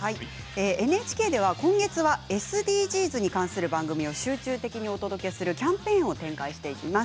ＮＨＫでは今月はＳＤＧｓに関する番組を集中的にお届けするキャンペーンを展開しています。